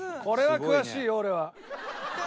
これは詳しいよ俺は。